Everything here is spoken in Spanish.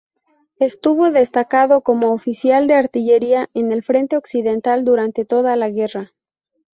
Estuvo destacado como Oficial de Artillería en el Frente Occidental durante toda la guerra.